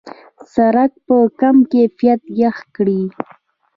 سړک په کم کیفیت پخ کړي.